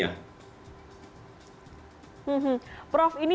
bagaimana cara anda melakukan vaksin